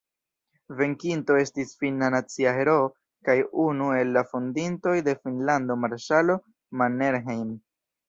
Venkinto estis finna nacia heroo kaj unu el la fondintoj de Finnlando marŝalo Mannerheim.